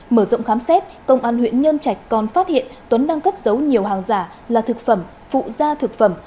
mở rộng khám xét công an huyện nhân trạch còn phát hiện tuấn đang cất giấu nhiều hàng giả là thực phẩm phụ gia thực phẩm